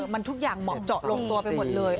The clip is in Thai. มันทุกอย่างเหมาะเจาะลงตัวไปหมดเลย